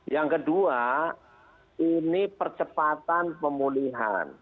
yang kedua ini percepatan pemulihan